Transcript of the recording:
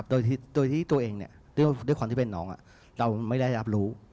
โดยที่ตัวเองเนี่ยด้วยความที่เป็นน้องเราไม่ได้รับรู้